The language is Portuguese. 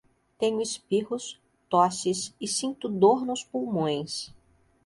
Tenho espirros, tosses e sinto dor nos pulmões